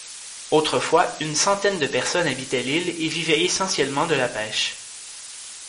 Autrefois, une centaine de personnes habitaient l’île et vivaient essentiellement de la pêche.